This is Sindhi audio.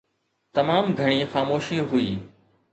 تمام گهڻي خاموشي هئي